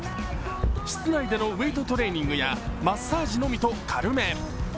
室内でのウエートトレーニングやマッサージのみと軽め。